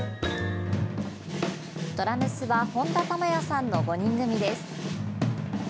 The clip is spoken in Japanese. ドラムスは本田珠也さんの５人組です。